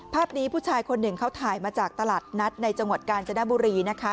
ภาพนี้ผู้ชายคนหนึ่งเขาถ่ายมาจากตลาดนัดในจังหวัดกาญจนบุรีนะคะ